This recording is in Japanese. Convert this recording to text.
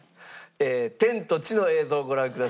天と地の映像をご覧ください。